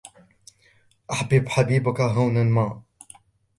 أَحْبِبْ حَبِيبَك هَوْنًا مَا